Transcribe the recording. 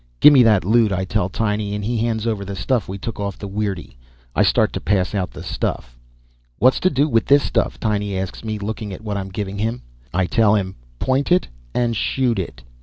"Give me that loot," I tell Tiny, and he hands over the stuff we took off the weirdie. I start to pass out the stuff. "What's to do with this stuff?" Tiny asks me, looking at what I'm giving him. I tell him, "Point it and shoot it."